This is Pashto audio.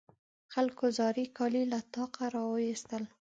خلکو زاړې کالي له طاقه راواېستل.